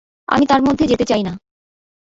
আমি তার মধ্যে যেতে চাই না।